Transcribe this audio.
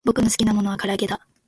ぼくのすきなたべものはからあげだ